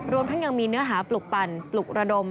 ทั้งยังมีเนื้อหาปลุกปั่นปลุกระดม